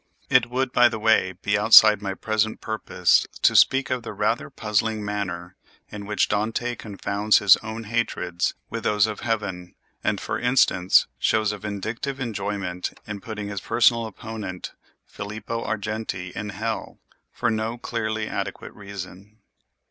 (It would, by the way, be outside my present purpose to speak of the rather puzzling manner in which Dante confounds his own hatreds with those of heaven, and, for instance, shows a vindictive enjoyment in putting his personal opponent Filippo Argenti in hell, for no clearly adequate reason.)